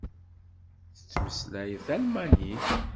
Tettmeslayeḍ talmanit.